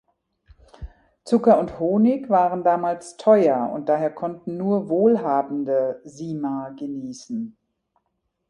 Zucker und Honig waren damals teuer und daher konnten nur Wohlhabende Sima genießen.